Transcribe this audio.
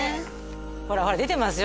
ほらほら出てますよ